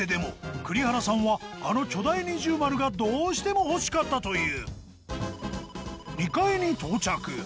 栗原さんはあの巨大二重丸がどうしても欲しかったという２階に到着